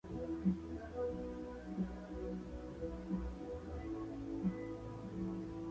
Compuso música sinfónica, instrumental, de cámara y canciones.